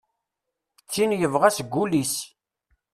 D tin yebɣa seg wul-is.